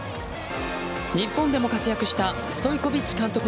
日本でも活躍したストイコビッチ監督